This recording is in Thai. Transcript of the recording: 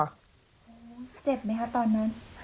โอ้โฮเจ็บไหมครับตอนนั้น